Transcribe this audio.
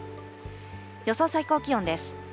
予想最高気温です。